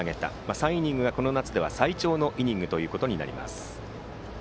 ３イニングが、この夏では最長のイニングとなります。